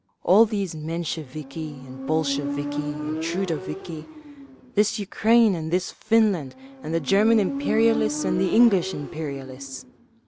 All these Mensheviki and Bolsheviki and Trudoviki…. This Ukraine and this Finland and the German imperialists and the English imperialists.